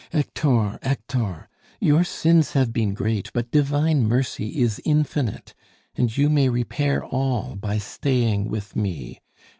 "Hector, Hector! Your sins have been great, but Divine Mercy is infinite, and you may repair all by staying with me.